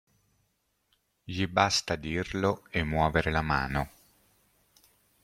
Gli basta dirlo e muovere la mano.